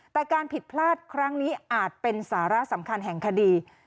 แต่การผิดพลาดครั้งนี้อาจเป็นสาระสำคัญแห่งคดี